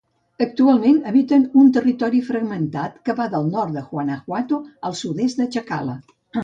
Actualment habiten un territori fragmentat que va del nord de Guanajuato al sud-est de Tlaxcala.